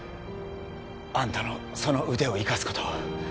あんたのその腕を生かすこと